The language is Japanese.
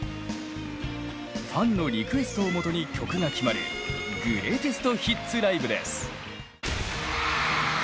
ファンのリクエストをもとに曲が決まるグレイテストヒッツライブです！